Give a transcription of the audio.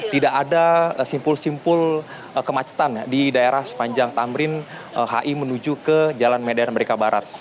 tidak ada simpul simpul kemacetan di daerah sepanjang tamrin hi menuju ke jalan medan merdeka barat